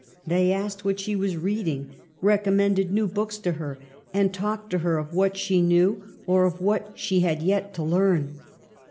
They asked what she was reading, recommended new books to her and ... talked to her of what she knew, or of what she had yet to learn."